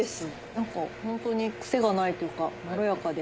何かホントにクセがないというかまろやかで。